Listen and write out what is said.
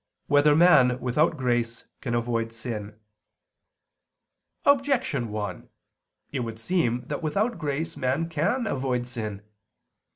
8] Whether Man Without Grace Can Avoid Sin? Objection 1: It would seem that without grace man can avoid sin.